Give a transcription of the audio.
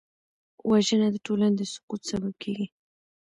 وژنه د ټولنې د سقوط سبب کېږي